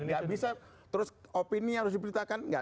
gak bisa terus opini harus diberitakan